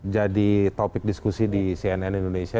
jadi topik diskusi di cnn indonesia